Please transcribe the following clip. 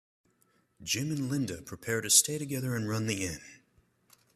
Jim and Linda prepare to stay together and run the inn.